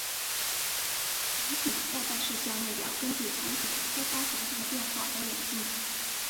产品待办事项列表根据产品和开发环境的变化而演进。